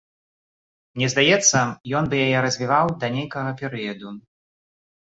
Мне здаецца, ён бы яе развіваў да нейкага перыяду.